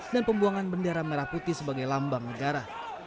dan pembuangan bendera merah putih sebagai lambang negara